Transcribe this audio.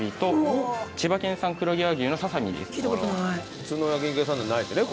普通の焼肉屋さんではないですよね